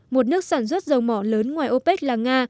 một nước sản xuất dầu mỏ lớn ngoài opec là nga